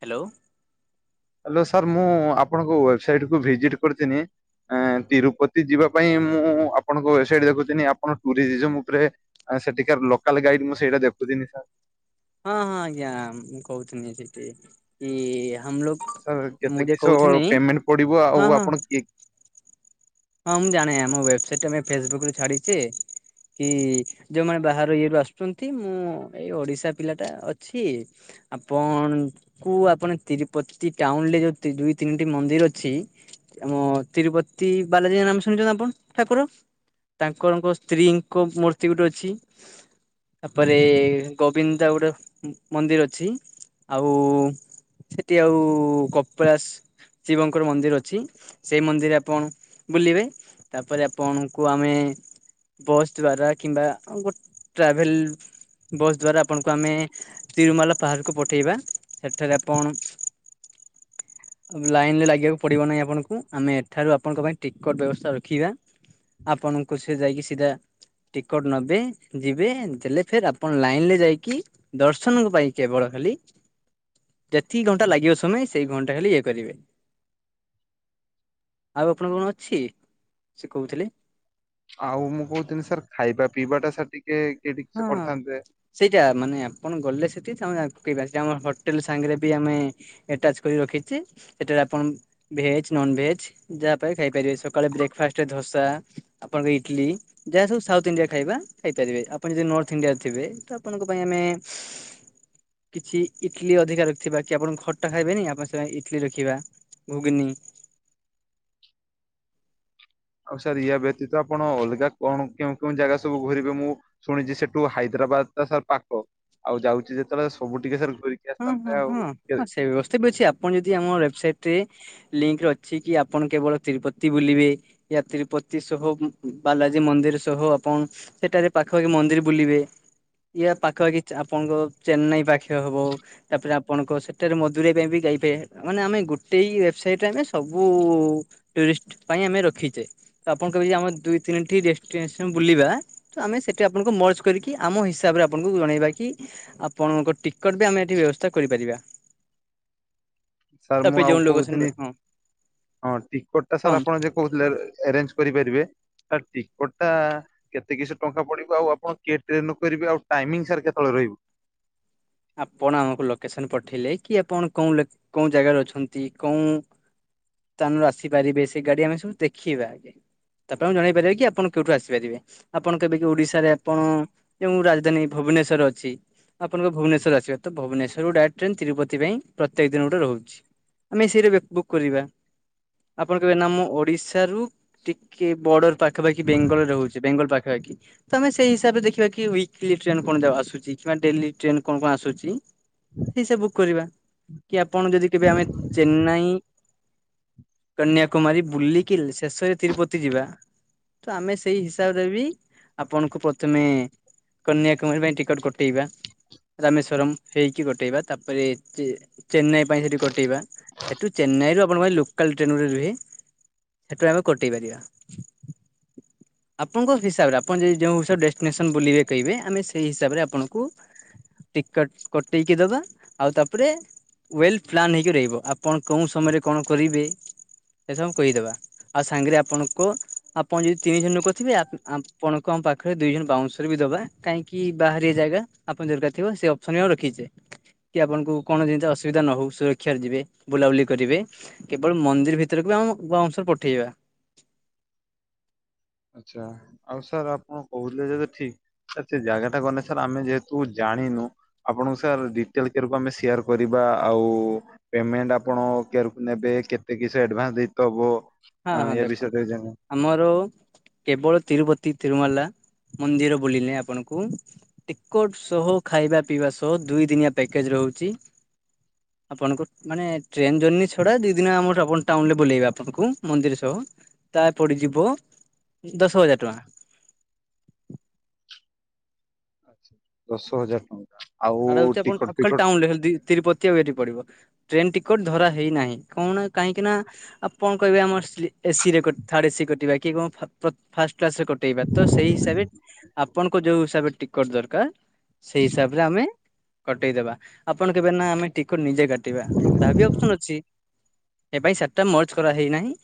Hello. Hello, sir. ମୁଁ ଆପଣଙ୍କ website କୁ ଭିଜିଟ କରିଥିଲି। ଆ, ତିରୁପତି ଯିବା ପାଇଁ, ମୁଁ ଆପଣଙ୍କ ୱେବସାଇଟ ଦେଖୁଥିଲି। ଆପଣ ଟୁରିଜିମ ଉପରେ ସେଠିକାର ଲୋକାଲ୍ ଗାଇଡ଼, ମୁଁ ସେଇଟା ଦେଖୁଥିଲି ସାର୍। ହଁ, ହଁ ଆଜ୍ଞା। ମୁଁ କହୁଥିଲି ସେଠି ଇ ଆମଲ ସାର୍ କେତେ ମୁଁ ଯ କିସ କହୁ ନି ପେମେଣ୍ଟ ପଡିବ ଆଉ ହଁ ହଁ ଆପଣ କି [unintelligible] ହଁ ମୁଁ ଜାଣେ, ଆମ ୱେବସାଇଟ୍ ଟା ବା ଫେସବୁକ୍ ରେ ଛାଡ଼ିଛେ କି, ଯୋଉମାନେ ବାହାର ଇଏରୁୁ ଆସୁଛନ୍ତି ମୁଁ ଏଇ ଓଡିଶା ପିଲାଟା ଅଛି ଆପଣ ଙ୍କୁ ଆପଣ ତିରୁପତି ଟାଉନ ରେ ଯୋଉ ତିରି, ତିନିଟି ମନ୍ଦିର ଅଛି ଆମ ତିରୁପତି, ବାଲାଜୀଙ୍କ ନାମ ଶୁଣିଛନ୍ତି ନା ଆପଣ? ଠାକୁର ତାଙ୍କରଙ୍କ, ସ୍ତ୍ରୀଙ୍କ ମୂର୍ତ୍ତି ଗୋଟେ ଅଛି। ତାପରେ ଗୋବିନ୍ଦା ଗୋଟେ ମନ୍ଦିର ଅଛି। ଆଉ। ସେଠି ଆଉ' କପିଳାସ ଶିବଙ୍କର, ମନ୍ଦିର ଅଛି। ସେଇ ମନ୍ଦିରରେ ଆପଣ ବୁଲିବେ। ତାପରେ ଆପଣଙ୍କୁ ଆମେ ବସ୍ ଦ୍ଵାରା, କିମ୍ବା ଗୋ-ଟ୍ରାଭେଲ ବସ୍ ଦ୍ଵାରା, ଆପଣଙ୍କୁ ଆମେ ତିରୁମାଲା ପାହାଡକୁ ପଠେଇବା। ସେଠାରେ ଆପଣ ଲାଇନ ରେ ଲାଗିବାକୁ ପଡିବ ନାହିଁ ଆପଣଙ୍କୁ। ଆମେ ଏଠାରେ ଆପଣଙ୍କ ପାଇଁ ଟିକଟ ବ୍ୟବସ୍ଥା ରଖିବା। ଆପଣଙ୍କୁ ସେ ଯାଇକି ସିଧା ଟିକଟ ନବେ, ଯିବେ। ଦେଲେ ଫେର ଆପଣ ଲାଇନରେ ଯାଇକି ଦର୍ଶନଙ୍କ ପାଇଁ କେବଳ ହେଲି। ଯେତିକି ଘଣ୍ଟା ଲାଗିବ ସମୟ ସେଇ ଘଣ୍ଟା ଖାଲି ଇଏ କରିବେ। ଆଉ ଆପଣ କଣ ଅଛି? ସେ କହୁଥିଲେ। ଆଉ ମୁଁ କହୁଥିଲି। ସାର୍ ଖାଇବା, ପିଇବା ଟା ସାର୍ ଟିକ ହଁ ସେଇଟା, ମାନେ ଆପଣ ଗଲେ ସେ ଠି, ଆଡ ପକେଇବା। ତାଙ୍କ ହୋଟେଲ ସାଙ୍ଗରେ ବି ଆମେ, ଆଟାଚ୍ କରି ରଖିଛେ। ସେଠାରେ ଆପଣ ଭେଜ୍, ନନଭେଜ୍ ଯାହା ପାଇବେ ଖାଇପାରିବେ। ସକାଳେ ବ୍ରେକଫାଷ୍ଟ ରେ ଧୋସା, ଆପଣଙ୍କ ଇଟଲି ଯାହା ସବୁ ସାଉଥ ଇଣ୍ଡିଆ, ଖାଇବା ଖାଇପାରିବେ ଆପ ଆପଣ ଯଦି ନର୍ଥ ଇଣ୍ଡିଆରେ ଥିବେ। ତ ଆପଣଙ୍କ ପାଇଁ ଆମେ କିଛି ଇଟଲି ଅଧିକା ରଖିଥିବା। କି ଆପଣ ଖଟା ଖାଇବେନି ଆପଣ ସେ ଇଟଲି ରଖିବା ଗୁଗୁନି। ଆଉ ସାର୍ ୟା ବ୍ୟତୀତ। ଆପଣ ଅଲଗା କଣ, କେଉଁ କେଉଁ, ଜାଗା ସବୁ ଘୁରିବେ? ମୁଁ ଶୁଣିଛି ସେଠୁ ହାଇଦ୍ରା ବାଦ୍, ଟା ସାର୍ ପାଖ। ଆଉ' ଯାଉଛି ଯେତେବେଳେ ସବୁ ଟିକେ ସାର୍ ଘୁରିକି ହଁ, ଆସିଥାନ୍ତେ ହଁ, ଆଉ। ହଁ, ହଁ। କେ- ସେ ବ୍ୟବସ୍ଥା ବି ଅଛି। ଆପଣ ଯଦି ଆମ ୱେବସାଇଟ ରେ ଲିଙ୍କ ଅଛି କି ଆପଣ କେବଳ ତିରୁପତି ବୁଲିବେ ୟା ତିରୁପତି ସହ ବାଲାଜୀ ମନ୍ଦିର ସହ ଆପଣ ସେଠାରେ ପାଖାପାଖି ମନ୍ଦିର ବୁଲିବେ ଇୟା ପାଖପାଖି ଆପଣଙ୍କ ଚେନ୍ନାଇ ପାଖେ ହବ। ତାପରେ ଆପଣଙ୍କ ସେଠାରେ ମଧୁର ପାଇଁ ବି ଗାଇବେ ମାନେ ଆମେ ଗୋଟେ ୱେବସାଇଟରେ ଆମେ ସବୁ ଟୁରିଷ୍ଟ ପାଇଁ ଆମେ ରଖିଚେ ତ ଆପଣ କହିବେ ଆମ ଦୁଇ ତିନି ଟି ଡେଷ୍ଟିନେସନ ବୁଲିବା ତ ଆମେ ସେଠି ଆପଣଙ୍କୁ ମର୍ଚ କରିକି ଆମ ହିସାବରେ ଆପଣଙ୍କୁ ଜଣେଇବା କି ଆପଣଙ୍କ ଟିକଟ ବି ଆମେ ବ୍ୟବସ୍ଥା କରିପାରିବା ସାର୍ ମୁଁ ତାପରେ ଆଉ ଯୋଉ କହୁଥିଲି ଲୋକଛନ୍ତି ହଁ। ହଁ ଟିକଟ ଟା ସାର୍ ହଁ ଆପଣ ଯେ କହୁଥିଲେ ଆରେଞ୍ଜ କରିପାରିବେ ସାର୍ ଟିକେଟ ଟା କେତେ କିଶ ଟଙ୍କା ପଡିବ ଆଉ ଆପଣ କିଏ ଟ୍ରେନ କରିବେ ଆଉ ଟାଇମିଙ୍ଗ ସାର୍ କେତ? ବେଳ ରହିବ। ଆପଣ ଆମକୁ ଲୋକେସନ ପଠେଇଲେ କି ଆପଣ କୋଉଁ କୋଉଁ ଜାଗାରେ ଅଛନ୍ତି କୋଉଁ ସ୍ଥାନରୁ ଆସିପାରିବେ ସେ ଗାଡି ଆମେ ସବୁ ଦେଖିବା ଆଗେ ତାପରେ ଜଣେଇ ପାରିବେ କି ଆପଣ କେଉଠୁ ଆସିପାରିବେ ଆପଣ କେବେ କିି ଓଡିଶାରେ ଆପଣ ଯୋଉ ରାଜଧାନୀ ଭ ଭୁବନେଶ୍ୱର ଅଛି ଆପଣଙ୍କ ଭୁବନେ ଶ୍ୱର ଆସିବା ତ ଭୁବନେଶ୍ୱରରୁ ଡାଇରେକ୍ଟ ଟ୍ରେନ ତିରୁପତି ପାଇଁ ପ୍ରତ୍ୟେକ ଦିନ ଗୋଟେ ରହୁଛି। ଆମେ ସେଇରା ବୁକ୍ କରିବା। ଆପଣ କହିବେ ନା ଆମ ଓଡିଶାରୁ ଟିକେ ବର୍ଡର ପାଖାପାଖି ବେଙ୍ଗଲରେ ରହୁଛି ବେଙ୍ଗଲ ପାଖାପାଖି ତମେ ସେଇ ହିସାବରେ ଦେଖିବା କି ୱିକ୍ଲି ଟ୍ରେନ କଣ ଯା ଆସୁଚି କିମ୍ବା ଡେଲି ଟ୍ରେନ୍ କଣ କଣ ଆସୁଚି? ଠିକ୍ ସେ ବୁକ୍ କରିବା କି ଆପଣ ଯଦି କେବେ ଆମେ ଚେନ୍ନାଇ କନ୍ୟାକୁମାରୀ ବୁଲିକି ଶେଷରେ ତିରୁପତି ଯିବା। ତ ଆମେ ସେଇ ହିସାବରେ ବି ଆପଣଙ୍କୁ ପ୍ରଥମେ କନ୍ୟାକୁମାରୀ ପାଇଁ ଟିକେଟ କଟେଇବା। ରାମେଶ୍ଵରମ୍ ହେଇକି କଟେଇବା ତାପରେ ଚେନ୍ନାଇ ପାଇଁ ସେଠି କଟେଇବା ସେଠୁ ଚେନ୍ନାଇ ରୁ ଆପଣଙ୍କ ପାଇଁ ଲୋକାଲ ଟ୍ରେନ୍ ଗୋଟେ ରୁହେ ହେଟୁ ଆମେ କଟେଇ ପାରିବା। [inaudible] ଆପଣଙ୍କ ହିସାବରେ ଆପଣ ଯେ ଯେଉଁ ହିସାବ ଡେଷ୍ଟିନେସନ ବୁଲିବେ କହିବେ ଆମେ ସେଇ ହିସାବରେ ଆପଣଙ୍କୁ ଟିକଟ କଟେଇକି ଦବା ଆଉ ତାପରେ ୱେଲ ପ୍ଲାନ୍ ହେଇକି ରହିବ ଆପଣ କେଉଁ ସମୟରେ କଣ କରିବେ ସେ ସବୁ ଆମେ କହିଦବା ଆଉ ସାଙ୍ଗରେ ଆପଣଙ୍କ ଆପଣ ଯଦି ତିନି ଜଣ ଲୋକ ଥିବେ ଆ-ଆ-ଆପଣଙ୍କ ପାଖରେ ଦୁଇ ଜଣ ବାଉନ୍ସର ବି ଦବା କାହିଁକି ବାହାରିଆ ଜାଗା ଆପଣ ଦରକାର ଥିବ ସେ ଅପସନ୍ ଆଉ ରଖିଚେ। କି ଆପଣଙ୍କୁ କୌଣସି ଜିନିଷ ଅସୁବିଧା ନ ହଉ ସୁରକ୍ଷାରେ ଯିବେ ବୁଲାବୁଲି କରିବେ କେବଳ ମନ୍ଦିର ଭିତରକୁ ଆମକୁ ବାଉଶରେ ପଠେଇିବା। ଆଛା ଆଉ ସାର୍ ଆପଣ କହୁଥିଲେ ଯେତ ଠିକ। ସେ ଜାଗା ଟା ଗନେ ସାର୍ ଆମେ ଯେହେତୁ ଜାଣିନୁ ଆପଣଙ୍କୁ ସାର୍ ଡିଟେଲ କେରେ କୁ ଆମେ ସେୟାର କରିବା ଆଉ ପେମେଣ୍ଟ ଆପଣ କେରୁ ନେବେ କେତେ କିସ ଆଡଭାନ୍ସ ଦେଇତେ ହବ? ହଁ ହଁ ଏ ବିଷୟରେ ଦେଖନ୍ତ ଜାଣିବା ଆମର କେବଳ ତିରୁପତି ତିରୁମାଲା ମନ୍ଦିର ବୁଲିଲେ ଆପଣଙ୍କୁ ଟିକଟ ସହ ଖାଇବା ପିଇବା ସହ ଦୁଇ ଦିନିଆ ପ୍ୟାକେଜ ର ରହୁଚି। ଆପଣଙ୍କୁ ମାନେ ଟ୍ରେନ ଜର୍ନୀ ଛଡା ଦି ଦିନ ଆମର ଆପଣ ଟାଉନ ରେ ବୁଲେଇବେ ଆପଣଙ୍କୁ ମନ୍ଦିର ସହ ତା ପଡିଯିବ ଦଶ ହଜାର ଟଙ୍କା। [inaudible] ଆଚ୍ଛା ଦଶ ହଜାର ଟଙ୍କା। ଆଉ ଆଡା ହଉଚି ଆପନ ଟିକଟ ଆପ ଖାଲି ଫିକଟ ଟାଉନରେ ହେଲ ଦି ତିରୁପ ତୀୟ ପଡିବ ଟ୍ରେନ ଟିକେଟ ଧରା ହେଇନାହିଁ କଣ କାହିଁକି ନା ଆପଣ କହିବେ ଆମର ସ୍ଲି ଏସି ରେ କ ଥାଡ ଏସି କଟିବା କି କଣ ଫ-ଫ-ଫାଷ୍ଟ କ୍ଲାସରେ କଟେଇବା ତ ସେଇ ହିସାବରେ ଆପଣଙ୍କ ଯୋଉ ହିସାବରେ ଟିକଟ ଦରକାର ସେଇ ହିସାବରେ ଆମେ କଟେଇଦବା ଆପଣ କେବେ ନା ଆମେ ଟିକଟ ନିଜେ କା ଟିବା ତାହା ବି ଅପସନ୍ ଅଛି। [inaudible] ଏ ପାଇଁ ସାର୍ଟ ଟା ମର୍ଚ କରା ହେଇନାହିଁ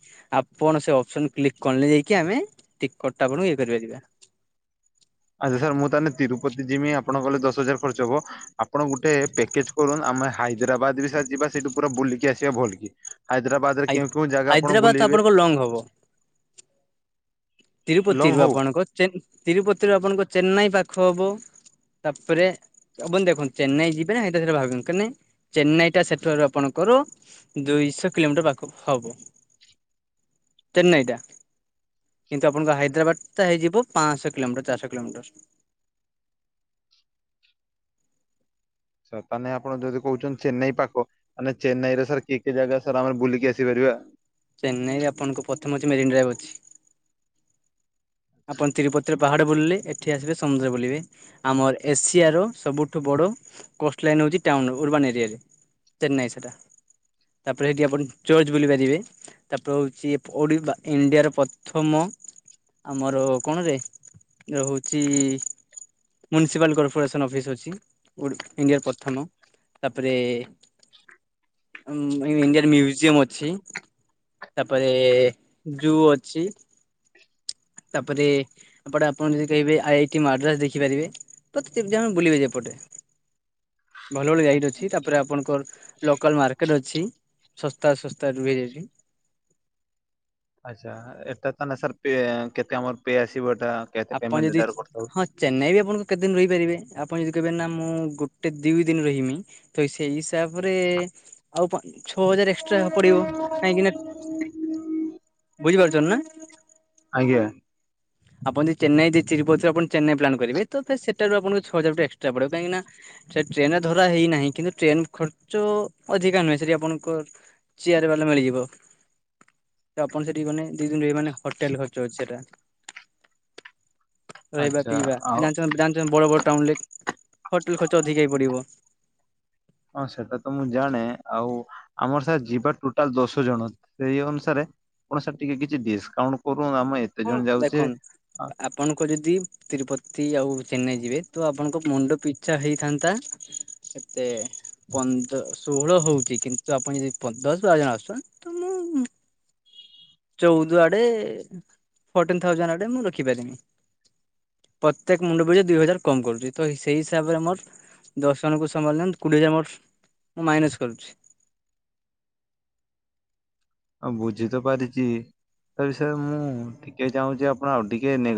ଆପଣ ସେ ଅପସନ କ୍ଲିକ କଲେ ଯାଇକି ଆମେ ଟିକଟ ଟା ଆପ ଏଇ [unintelligible] [inaudible] ଆଚ୍ଛା ସାର୍ ମୁଁ ତାହେଲେ ତିରୁପତି ଯିମି ଆପଣଙ୍କ କଲେ ଦଶ ହଜାର ଖର୍ଚ୍ଚ ହବ ଆପଣ ଗୁଟେ ପେକେଜ୍ କରୁନ୍ତୁ ଆ ଆମେ ହାଇଦ୍ରାବାଦ ବି ସାର୍ ଯିବା ସେଇଠୁ ପୁରା ବୁଲିକି ଆସିବା ଭଲକି। ହାଇଦ୍ରାବାଦରେ ହାଇ କେଉଁ କେଉଁ ଜାଗା ଆପଣ ହାଇଦ୍ରାବାଦ ବୁଲେଇବେ? ଆପଣଙ୍କ ଲଙ୍ଗ ହବ। ଲଙ୍ଗ ତିରୁପତିରୁ ହଉ। ଆପଣଙ୍କୁ ଚେନ୍ ତିରୁପତିରୁ ଆପଣଙ୍କୁ ଚେନ୍ନାଇ ପାଖ ହବ। ତାପରେ ଆପଣ ଦେଖନ୍ତୁ ଚେନ୍ନାଇ ଯିବେ ହାଇଦ୍ରା ବାଦ୍ ଭାବିନ୍ତୁ କେନେ ଚେନ୍ନାଇ ଟା ସେଠାରୁ ଆପଣ ଘରୋ ଦୁଇଶହ କିଲୋମିଟର ପାଖକୁ ହବ। [inaudible] ଚେନ୍ନାଇଟା। କିନ୍ତୁ ଆପଣଙ୍କୁ ହାଇଦ୍ରାବାଦ ଟା ହେଇଯିବ ପାଞ୍ଚଶହ କିଲୋମିଟର ଚାରିଶହ କିଲୋମିଟର। [inaudible] ତାହେନେ ଆପଣ ଯଦି କହୁଛନ୍ତି ଚେନ୍ନାଇ ପାଖ ତାନେ ଚନ୍ନାଇରେ ସାର୍ କି କି ଜାଗା ସାର୍ ଆମେ ବୁଲିକି ଆସିପାରିବୁ। [unintelligible] ଚେନ୍ନାଇରେ ଆପଣଙ୍କୁ ପ୍ରଥମ ଅଛି ମେରିନ୍ ଡ୍ରାଇଭ୍ ଅଛି। ଆପଣ ତିରୁପତିର ପାହାଡ ବୁଲିଲେ ଏଠି ଆସିବେ ସମୁଦ୍ର ବୁଲିବେ ଆମର ଏସିଆର ସବୁଠୁ ବଡ ର କୋଷ୍ଟ ଲାଇନ୍ ହେଉଛି ଟାଉନ୍ ଅର୍ବାନ ଏରିଆରେ ଚେନ୍ନାଇ ସେଟା। ତାପରେ ଏଠି ଆପଣ ଚର୍ଚ ବୁଲି ପାରିବେ ତାପରେ ହଉଛି ଓଡ଼ି ବା ଇଣ୍ଡିଆର ପ୍ରଥମ ଆମର କୋଣରେ ହଉଛି ମୁନିସିପାଲ କର୍ପୋରେସନ୍ ଅଫିସ୍ ଅଛି ଓଡ଼ି ଇଣ୍ଡିଆର ପ୍ରଥମ ତାପରେ ଉଁ ଇଣ୍ଡିଆର ମ୍ୟୁଜିୟମ ଅଛି। ତାପରେ ଜୁ ଅଛି। ତାପରେ ଏପଟେ ଆପଣ ଯଦି କହିବେ ଆଇ ଟି ମାଡ୍ରାସ ଦେଖିପାରିବେ। ତ ତିନିଜଣ ବୁଲିବେ ଏପଟେ। ଭଲ ଭଲ ଗାଇଡ୍ ଅଛି ତାପରେ ଆପଣଙ୍କର ଲୋକାଲ ମାର୍କେଟ ଅଛି। ଶସ୍ତା ଶସ୍ତା ରୁହେ ଏଠି। ଆଚ୍ଛା ଏଟା ତ ନ ସାର୍ ପେ କେତେ ଆମର ପେ ଆସିବ? ଏଟା କେତେ ଆପଣ ପେମେଣ୍ଟ ଯଦି ଏଟାର କରିଥାଉ? ହଁ ଚେନ୍ନାଇ ବି ଆପଣଙ୍କୁ କେତେ ଦିନ ରହିପାରିବେ ଆପଣ ଯଦି କହିବେ ନା ମୁଁ ଗୋଟେ ଦୁଇ ଦିନ ରହିମି ତ ସେଇ ହିସାବରେ ଆଉ ପା ଛଅ ହଜାର ଏକ୍ସଟ୍ରା ପଡିବ କାହିଁକି ନା [unintelligible] ବୁଝିପାରୁଛନ୍ତି ନା? ଆଜ୍ଞା। ଆପଣ ଯଦି ଚେନ୍ନାଇ ଦେଇ ଚିରୁ ପରେପଣ ଚେନ୍ନାଇ ପ୍ଲାନ୍ କରିବେ ତ ସେଟା ରୁ ଆପଣଙ୍କୁ ଛଅ ହଜାର ଗୋଟେ ଏକ୍ସଟ୍ରା ପଡିବ କାହିଁକି ନା ସେ ଟ୍ରେନ୍ ଧରା ହେଇନାହିଁ କିନ୍ତୁ ଟ୍ରେନ ଖର୍ଚ୍ଚ ଅଧିକା ନୁହେଁ ସେଠି ଆପଣଙ୍କ ଚିୟାର [inaudible] ମିଳିଯିବ। ତ ଆପଣ ସେଠି ଗଲେ ଦି ଦିନ ରହିବେ ମାନେ ହୋଟେଲ ଖର୍ଚ୍ଚ ଅଛି ସେଟା। ରହିବା ଆଚ୍ଛା ପିଇବା ଆଉ ଜାଣିଛ ଜାଣିଛ ବଡ ବଡ ଟାଉନ ରେ [inaudible] ହଁ ସେଟା ତ ମୁଁ ଜାଣେ ଆଉ ଆମର ସାର୍ ଯିବା ଟୋଟାଲ ଦଶ ଜଣ ସେଇ ଅନୁସାରେ ଆପଣ ସାର୍ ଟିକେ କିଛି ଡିସକାଉଣ୍ଟ କର ହଁ ଦେଖନ୍ତୁ ଆପଣଙ୍କ ଯଦି ତିରୁପତି ଆଉ ଚେନ୍ନାଇ ଯିବେ ତ ଆପଣଙ୍କ ମୁଣ୍ଡ ପିଛା ହେଇଥାନ୍ତା ଏତେ ତ ଷୋହଳ ହଉଛି କିନ୍ତୁ ଆପଣ ଯଦି [inaudible] ଦଶ ବାର ଜଣ ଆସୁଛ ତ ମୁଁ ଚଉଦ ଆଡେ ଫଟିନ୍ ଥାଉଜେଣ୍ଟ ଆଡେ ମୁଁ ରଖି ପାରିମି। ପ୍ରତ୍ୟେକ ମୁଣ୍ଡପିଛା ଦୁଇ ହଜାର କମ୍ କରୁଛି ତ ସେଇ ହିସାବରେ ମୋର ଦଶ ଜଣଙ୍କୁ ସମ୍ଭାଳିଲେ କୋଡିଏ ହଜାର ମୋର ମୁଁ ମାଇନସ୍ କରୁଛି। ହଁ ବୁଝି ତ ପାରିଚି ତା ବିଷୟରେ ମୁଁ ଟିକେ ଚାହୁଁଛି ଆପଣ ଆଉ ଟିକେ ନେ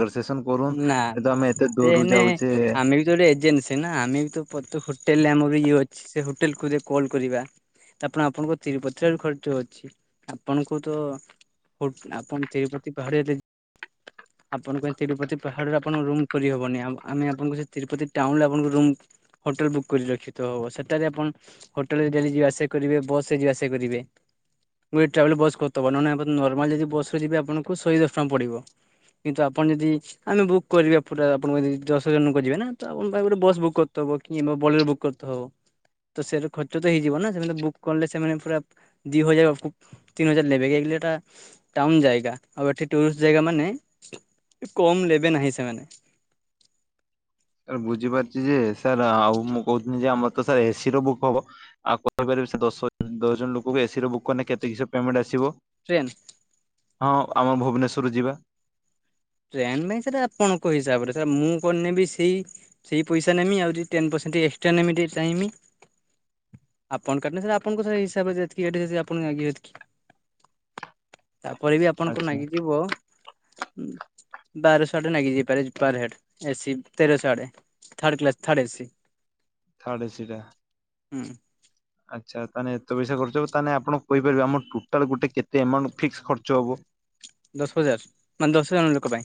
ନା ନା ସେ ହେନେ ଯାଉଛେ। ଆମେ ବି ତ ଗୋଟେ ଏଜେନ୍ସି ନା ଆମେ ବି ତ ତ ହୋଟେଲରେ ଆମର ବି ଇଏ ଅଛି ସେ ହୋଟେଲକୁ ଯେ କଲ୍ କରିବା। ତାପରେ ଆପଣଙ୍କ ଚିରୁପତ୍ର ରୁ ଖର୍ଚ୍ଚ ଅଛି ଆପଣଙ୍କୁ ତ ଆପଣ ତିରୁପତି ପାହାଡିଆ ଦେଇ ଆପଣ ତିରୁପତି ପାହାଡରେ ଆପଣଙ୍କ ରୁମ୍ ଖୋଜି ହବନି ଆ ଆମେ ଆପଣଙ୍କୁ ସେ ତିରୁପତି ଟାଉନ ରେ ଆପଣଙ୍କୁ ରୁମ୍ ହୋଟଲ ବୁକ୍ କରି ପରିଲକ୍ଷିତ ହବ ସେଠାରେ ଆପଣ ହୋଟେଲରେ ଡେଲି ଯିବା ଆସିବା କରିବେ ବସ ରେ ଯିବା ଆସିବା କରିବେ। ଗୋଟେ ଟ୍ରାଭେଲ ବସ କରିଦବ ନହେଲେ ନର୍ମାଲ ଯଦି ବସରେ ଯିବେ ଆପଣଙ୍କୁ ଶହେ ଦଶ ଟଙ୍କା ପଡିବ କିନ୍ତୁ ଆପଣ ଯଦି ଆମେ ବୁକ୍ କରିବା ପୁରା ଆପଣଙ୍କ ଯଦି ଦଶଜଣ ଯିବେ ନା ତ ଆପଣଙ୍କ ପାଇଁ ଗୋଟେ ବସ୍ ବୁକ୍ କରିଦବ କି ବୋଲୋର ବୁକ୍ କରିତେ ହବ। ତ ସେରେ ଖର୍ଚ୍ଚ ତ ହେଇଯିବ ନା ସେମାନେ ବୁକ୍ କଲେ ସେମାନେ ପୁରା ଦି ହଜାର ଅପକୁ ତିନି ହଜାର ନେବେ ଇଏଟା ଟାଉନ ଯାଏଗା ଆଉ ଏଠି ଟୁରିଷ୍ଟ ଯାଗା ମାନେ କମ୍ ନେବେନାହିଁ ସେମାନେ। ଏ ବୁଝିପାରୁଛି ଯେ ସାର୍ ଆଉ ମୁଁ କୋହୁଥିଲି ଯେଁ ଆମର ତ ସାର୍ ଏସିର ବୁକ୍ ହବ ଆଉ କହିପାରି ଦଶ ଦଶ ଜଣ ଲୋକଙ୍କୁ ଏସିରେ ବୁକ୍ କଲେ କେତେକି ସେ ପେମେଣ୍ଟ ଆସିବ? ଟ୍ରେନ୍। ହଁ ଆମ ଭୁବନେଶ୍ଵରରୁ ଯିବା। ଟ୍ରେନରେ ସାର୍ ଆପଣଙ୍କ ହିସାବରେ ସାର ମୁଁ କଣ ନେବି ସେଇ ସେଇ ପଇସା ନେମୀ ଆଉ ଟେନ ପର୍ସେନ୍ ସେନ୍ତି ଏକ୍ସଟ୍ରା ନେମୀଟି ଚାଇମି। ଆପଣ କାଟିଲେ ସାର ଆପଣଙ୍କ ସାର ହିସାବ ଯେତ୍କି ଏଡେଜୋରସେ ଆପଣ [unintelligible] ତାପରେ ବି ଆପଣଙ୍କୁ ଆଚ୍ଛା ନାଗିଯିବ ୟୁମ ବାରଶହ ଆଡେ ନାଗି ଯାଇପାରେ ପର ହେଡ ଏସି ତେରଶହ ଆଡେ third class third A C third A C ଟା ହୁଁ। ଆଚ୍ଛା ତାନେ ଏତେ ପଇସା ଖର୍ଚ୍ଚ ହବ ତାନେ ଆପଣ କହିପାରିବେ ଆମ ଟୋଟାଲ ଗୋଟେ କେତେ ଏମାଉଣ୍ଟ ଫିକ୍ସ ଖର୍ଚ୍ଚ ହବ। ଦଶ ହଜାର ମାନେ ଦଶ ଜଣ ଲୋକ ପାଇଁ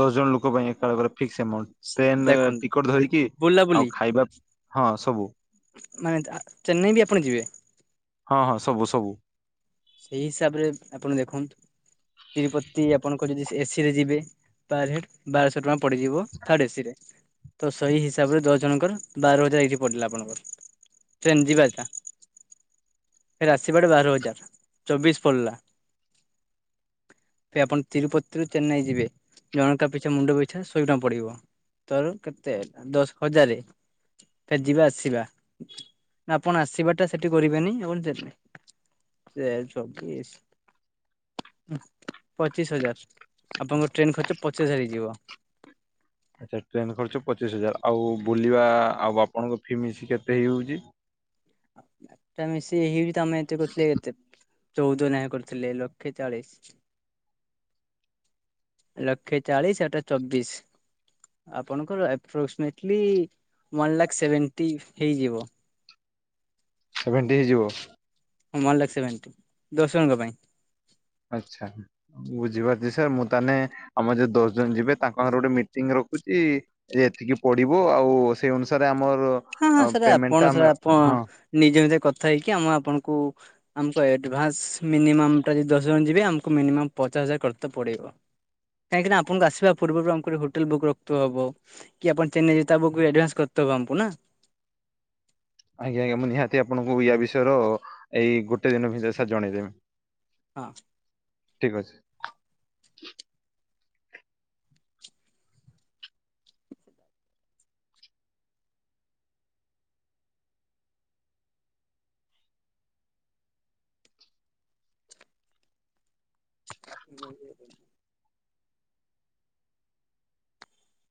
ଦସ୍ ଜଣ ଲୋକ ପାଇଁ ଏକାବଳରେ ଫିକ୍ସ ଏମାଉଁଟ ଟ୍ରେନ ଦେଖନ୍ତୁ ଟିକଟ ଧରିକି ବୁଲାବୁଲି ଆଉ ଖାଇବା ହଁ ସବୁ। ମାନେ ଆ ଚେନ୍ନାଇ ବି ଆପଣ ଯିବେ? ହଁ ହଁ ସବୁ ସବୁ। ସେଇ ହିସାବରେ ଆପଣ ଦେଖନ୍ତୁ ତିରୁପତି ଆପଣଙ୍କ ଯଦି ଏସି ରେ ଯିବେ ପର୍ ହେଡ ବାରଶହ ଟଙ୍କା ପଡିଯିବ ଥାର୍ଡ ଏସି ରେ। ତ ସେହି ହିସାବରେ ଦଶ ଜଣଙ୍କର ବାର ହଜାର ଏଇଠି ପଡ଼ିଲା ଆପଣଙ୍କର। ଟ୍ରେନ ଯିବାଟା ଫେରେ ଆସିବାଟା ବାର ହଜାର। ଚବିଶ ପଡିଲା। ସେ ଆପଣ ତିରୁପତିରୁ ଚେନ୍ନାଇ ଯିବେ ଜଣକା ପିଛା ମୁଣ୍ଡ ପିଛା ସହେ ଟଙ୍କା ପଡ଼ିବ। ତୋର କେତେ ଦଶ ହଜାରେ? ଫେର୍ଜିବା ଆସିବା ନା ଆପଣ ଆସିବା ଟା ସେଠି କରିବେନି ଆପଣ [unintelligible] ଚବିଶ ଉମ୍ ପଚିଶ ହଜାର, ଆପଣଙ୍କ ଟ୍ରେନ ଖର୍ଚ୍ଚ ପଚିଶ ହଜାର ହେଇଯିବ। ଆଚ୍ଛା ଟ୍ରେନ ଖର୍ଚ ପଚିଶ ହଜାର ଆଉ ବୁଲିବା ଆଉ ଆପଣଙ୍କ ଫି ମିଶି କେତେ ହେଇଯାଉଛି। ଏଟା ମିଶି ହଏଇଯ ତମେ ଏତେ କଥିଲେ ଏତେ ଚଉଦ ନ୍ୟାୟ କରିଥିଲେ ଲକ୍ଷେ ଚାଳିଶ। ଲଖେ ଚାଳିଶ ଏଟା ଚବିଶ ଆପଣଙ୍କର ଆପ୍ରୋକ୍ସିମେଟଲି ୱାନ ଲାଖ ସେଭେଣ୍ଟୀ ହେଇଯିବ। ସେଭେଣ୍ଟି ହେଇଯିବ। ୱାନ ଲାକ୍ ସେଭେଣ୍ଟି ଦଶ ଜଣଙ୍କ ପାଇଁ। ଆଚ୍ଛା ବୁଝିପାରୁଚି ସାର୍ ମୁଁ ତାନେ ଆମର ଯୋଉ ଦଶ ଜଣ ଯିବେ ତାଙ୍କର ଗୋଟେ ମିଟିଂ ର କହୁଛି ଏତିକି ପଡିବ ଆଉ ସେଇ ଅନୁସାରେ ଆମ ହଁ ହଁ ସାର୍ ଆପଣ ସାର୍ ଆପଣ ହଁ ନିଜ ନିଜ ଭିତରେ କଥା ହେଇକି ଆମ ଆପଣଙ୍କୁ ଆମକୁ ଏଡଭାନ୍ସ ମିନିମମ୍ ଟା ଯଦି ଦଶ ଜଣ ଯିବେ ଆମକୁ ମିନିମମ୍ ପଚାଶ ହଜାର କରତ ପଡିବ। କାହିଁକିନା ଆପଣଙ୍କୁ ଆସିବା ପୂର୍ବରୁ ଆମକୁ ଗୋଟେ ହୋଟେଲ ବୁକ୍ ରଖଥୁବା ହବ କି ଆପଣ ଚେନ୍ନାଇରେ [inaudible] ତବାମ୍ପୁନା ଆଜ୍ଞା ଆଜ୍ଞା ମୁଁ ନିହାତି ଆପଣଙ୍କୁ ୟା ବିଷୟର ଏଇ ଗୋଟେ ଦିନ ଭିତରେ ସାର୍ ଜଣେଇଦେମି। ହଁ ଠିକ ଅଛି। [inaudible]